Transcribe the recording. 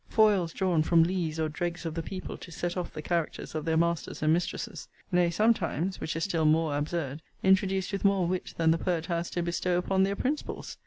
Foils drawn from lees or dregs of the people to set off the characters of their masters and mistresses; nay, sometimes, which is still more absurd, introduced with more wit than the poet has to bestow upon their principals.